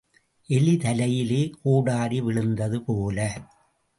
எலி தலையிலே கோடரி விழுந்தது போல.